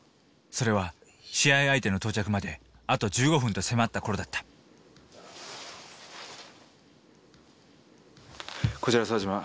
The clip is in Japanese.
それは試合相手の到着まであと１５分と迫った頃だったこちら沢嶋。